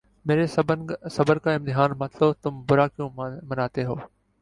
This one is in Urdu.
میرے صبر کا امتحان مت لو تم برا کیوں مناتے ہو